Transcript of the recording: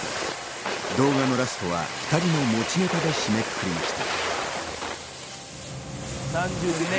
動画のラストは２人の持ちネタで締めくくりました。